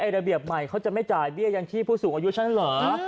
ระเบียบใหม่เขาจะไม่จ่ายเบี้ยยังชีพผู้สูงอายุฉันเหรอ